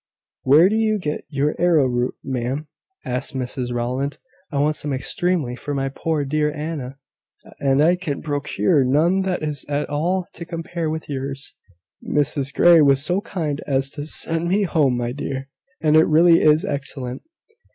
"Where do you get your arrowroot, ma'am?" asked Mrs Rowland. "I want some extremely for my poor dear Anna; and I can procure none that is at all to compare with yours." "Mrs Grey was so kind as to send me some, my dear; and it really is excellent.